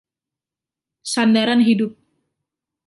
Sandaran hidup.